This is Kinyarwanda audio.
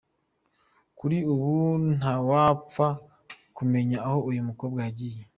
Kuri ubu ntawapfa kumenya aho uyu mukobwa yagiye.